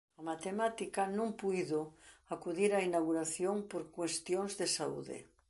A matemática non puido acudir á inauguración por cuestións de saúde.